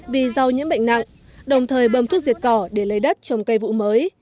vì rau nhiễm bệnh nặng đồng thời bâm thuốc diệt cỏ để lấy đất trồng cây vụ mới